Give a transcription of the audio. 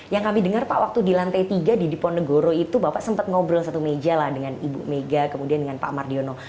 yang kami dengar pak waktu di lantai tiga di diponegoro itu bapak sempat ngobrol satu meja lah dengan ibu mega kemudian dengan pak mardiono